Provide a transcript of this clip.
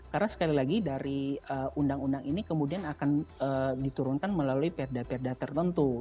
karena sekali lagi dari undang undang ini kemudian akan diturunkan melalui perda perda tertentu